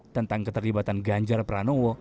tentang keterlibatan ganjar pranowo